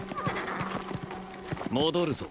戻るぞ。